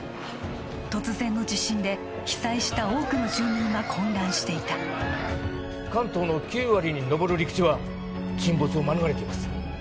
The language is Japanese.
突然の地震で被災した多くの住民は混乱していた関東の９割にのぼる陸地は沈没を免れています